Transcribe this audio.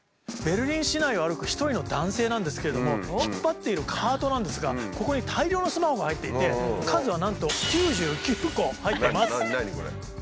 ベルリン市内を歩く一人の男性なんですけれども引っ張っているカートなんですがここに大量のスマホが入っていて数はなんと９９個入ってます。